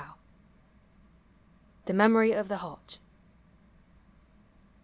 THE MEMORY OF THE HEART.